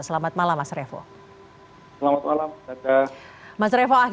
selamat malam mas revo